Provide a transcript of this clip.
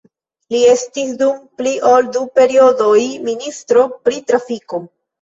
Li estis dum pli ol du periodoj ministro pri trafiko.